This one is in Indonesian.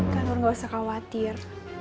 kak nur gak usah khawatir